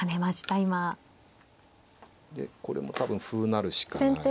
でこれも多分歩成るしかない。